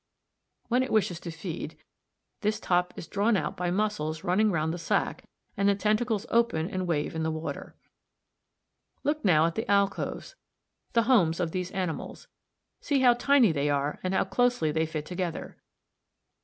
When it wishes to feed, this top is drawn out by muscles running round the sac, and the tentacles open and wave in the water (1, Fig. 73). Look now at the alcoves, the homes of these animals; see how tiny they are and how closely they fit together.